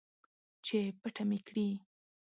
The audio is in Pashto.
چې پټه مې کړي